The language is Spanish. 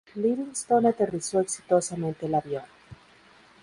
Livingston aterrizó exitosamente el avión.